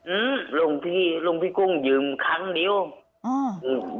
อืมหลวงพี่หลวงพี่กุ้งยืมครั้งเดียวอ่าอืม